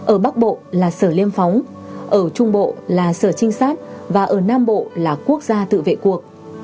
ở bắc bộ là sở liêm phóng ở trung bộ là sở trinh sát và ở nam bộ là quốc gia tự vệ cuộc